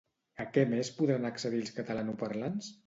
A què més podran accedir els catalanoparlants?